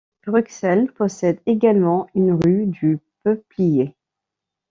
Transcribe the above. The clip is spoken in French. Bruxelles possède également une rue du Peuplier.